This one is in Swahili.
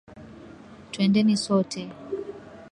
Twendeni sote.